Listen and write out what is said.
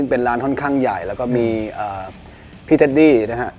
เป็นร้านค่อนข้างใหญ่แล้วก็มีพี่เทดดี้นะฮะ